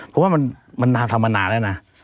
ผมว่ามันทำมานานแล้วนะ